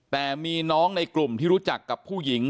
แต่มีน้องในกลุ่มที่รู้จักกับผู้หญิง